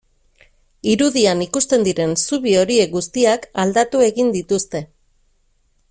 Irudian ikusten diren zubi horiek guztiak aldatu egin dituzte.